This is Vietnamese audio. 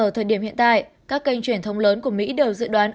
ở thời điểm hiện tại các kênh truyền thông lớn của mỹ đều dự đoán